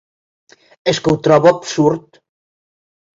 És que ho trobo absurd.